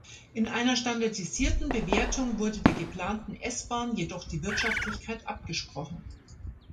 In einer standardisierten Bewertung wurde der geplanten S-Bahn jedoch die Wirtschaftlichkeit abgesprochen.